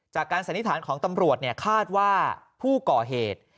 สันนิษฐานของตำรวจคาดว่าผู้ก่อเหตุ